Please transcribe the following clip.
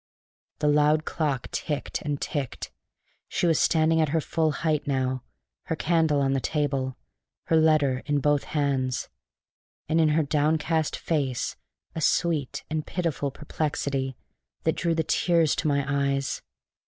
The loud clock ticked and ticked. She was standing at her full height now, her candle on the table, her letter in both hands, and in her downcast face a sweet and pitiful perplexity that drew the tears to my eyes.